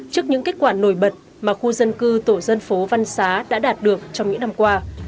trước những kết quả nổi bật mà khu dân cư tổ dân phố văn xá đã đạt được trong những năm qua